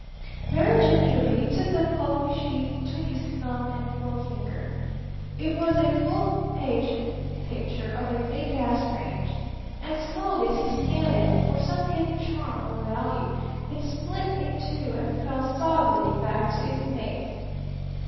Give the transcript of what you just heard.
Very gingerly he took the pulpy sheet between his thumb and forefinger. It was a full page picture of a big gas range, and slowly, as he scanned it for some hidden charm or value, it split in two and fell soggily back to its mates.